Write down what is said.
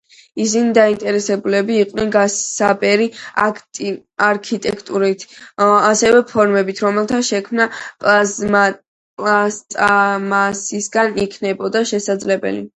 ისინი დაინტერესებული იყვნენ „გასაბერი“ არქიტექტურით, ასევე ფორმებით, რომელთა შექმნა პლასტმასისგან იქნებოდა შესაძლებელი.